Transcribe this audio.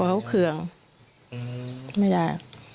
กลัวเขาเคืองไม่ได้